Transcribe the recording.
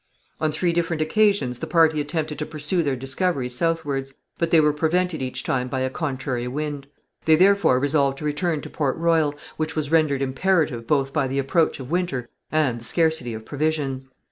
On three different occasions the party attempted to pursue their discoveries southwards, but they were prevented each time by a contrary wind. They therefore resolved to return to Port Royal, which was rendered imperative both by the approach of winter and the scarcity of provisions.